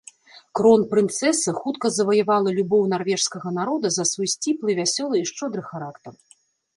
Кронпрынцэса хутка заваявала любоў нарвежскага народа за свой сціплы, вясёлы і шчодры характар.